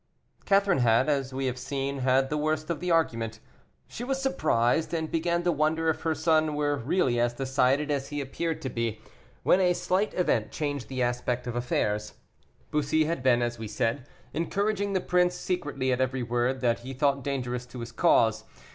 Catherine had, as we have seen, had the worst of the argument. She was surprised, and began to wonder if her son were really as decided as he appeared to be, when a slight event changed the aspect of affairs. Bussy had been, as we said, encouraging the prince secretly at every word that he thought dangerous to his cause.